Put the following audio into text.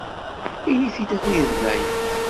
Ini-t-id abrid-nnayeḍ.